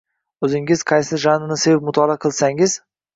O’zingiz qaysi janrni sevib mutoala qilsangiz